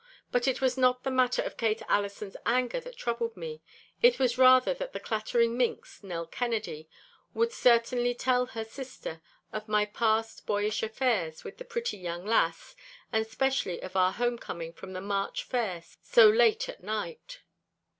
But it was not the matter of Kate Allison's anger that troubled me; it was rather that the clattering minx, Nell Kennedy, would certainly tell her sister of my past boyish affairs with the pretty young lass, and specially of our home coming from the March fair so late at night.